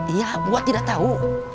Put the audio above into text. iya wak tidak tahu